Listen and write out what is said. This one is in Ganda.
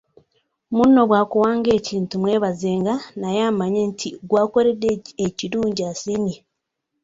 Munno bw’akuwanga ekintu mwebazenga naye amanye nti gw’akoledde ekirungi asiimye.